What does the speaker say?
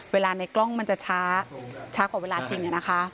เวลาในกล้องมันจะช้าช้ากว่าเวลาจริง